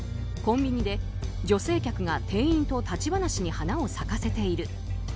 コンビニで女性客が店員と立ち話に花を咲かせている。